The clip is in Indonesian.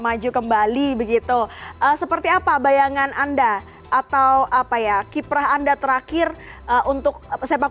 maju kembali begitu seperti apa bayangan anda atau apa ya kiprah anda terakhir untuk sepak